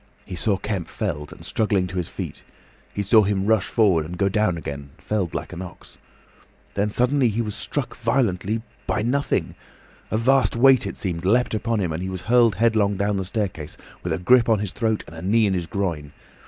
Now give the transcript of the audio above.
He saw Kemp felled, and struggling to his feet. He saw him rush forward, and go down again, felled like an ox. Then suddenly he was struck violently. By nothing! A vast weight, it seemed, leapt upon him, and he was hurled headlong down the staircase, with a grip on his throat and a knee in his groin.